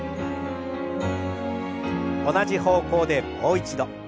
同じ方向でもう一度。